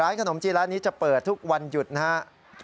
ร้านขนมจีนร้านนี้จะเปิดทุกวันหยุดนะฮะ